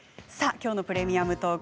きょうの「プレミアムトーク」。